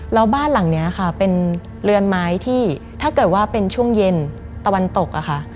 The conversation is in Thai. แล้วบ้านหลังนี้ค่ะเป็นเรือนไม้ที่ถ้าเกิดว่าเป็นช่วงเย็นตะวันตกอะค่ะ